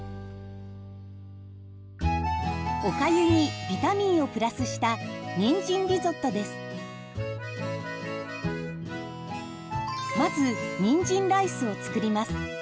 おかゆにビタミンをプラスしたまずにんじんライスを作ります。